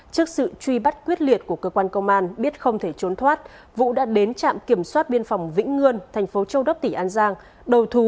trước sự truy bắt quyết liệt của cơ quan công an biết không thể trốn thoát vũ đã đến trạm kiểm soát biên phòng vĩnh ngươn thành phố châu đốc tỉnh an giang đầu thú và khai nhận hành vi phạm tội